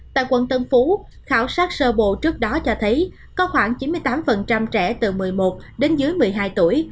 tại quận tân phú khảo sát sơ bộ trước đó cho thấy có khoảng chín mươi tám trẻ từ một mươi một đến dưới một mươi hai tuổi